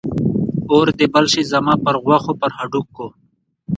اور دې بل شي زما پر غوښو، پر هډوکو